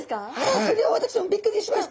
それは私もびっくりしました。